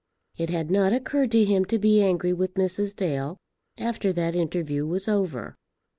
It had not occurred to him to be angry with Mrs. Dale after that interview was over.